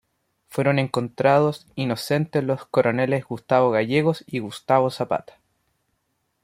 Fueron encontrados inocentes los coroneles Gustavo Gallegos y Gustavo Zapata.